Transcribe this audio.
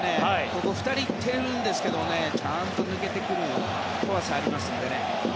ここ、２人行ってるんですがちゃんと抜けてくる怖さがありますのでね。